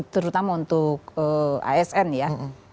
terutama untuk asn ya